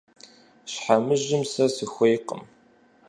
Щхьэмыжым сэ сыхуейкъым.